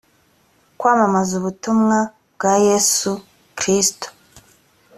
kwamamaza ubutumwa bwa yesu kristo